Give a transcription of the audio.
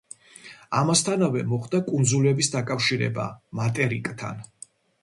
ამასთანავე მოხდა კუნძულების დაკავშირება მატერიკთან.